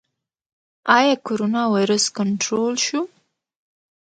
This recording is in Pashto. آیا کرونا ویروس کنټرول شو؟